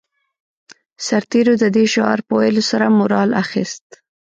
سرتېرو د دې شعار په ويلو سره مورال اخیست